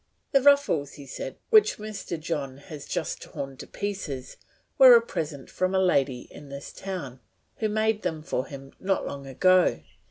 "The ruffles," said he, "which Mr. John has just torn to pieces, were a present from a lady in this town, who made them for him not long ago.